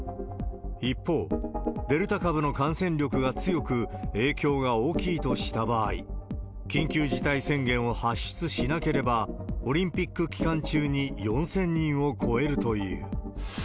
一方、デルタ株の感染力が強く、影響が大きいとした場合、緊急事態宣言を発出しなければ、オリンピック期間中に４０００人を超えるという。